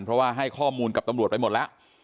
เพราะว่าให้ข้อมูลกับตำรวจไปหมดแล้ว